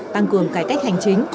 tăng cường cải cách hành chính